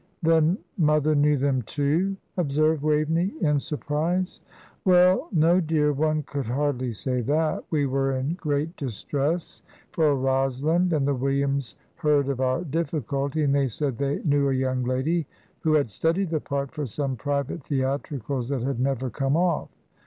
"Then mother knew them, too?" observed Waveney, in surprise. "Well, no, dear, one could hardly say that. We were in great distress for a Rosalind, and the Williams heard of our difficulty, and they said they knew a young lady who had studied the part for some private theatricals that had never come off.